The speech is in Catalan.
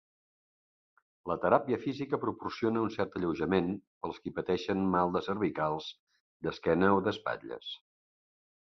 La teràpia física proporciona un cert alleujament per als qui pateixen mal de cervicals, d'esquena o d'espatlles.